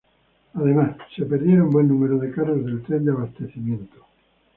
Además, se perdieron buen número de carros del tren de abastecimiento.